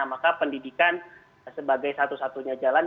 maka pendidikan sebagai satu satunya jalan